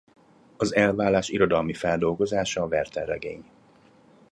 Az elválás irodalmi feldolgozása a Werther-regény.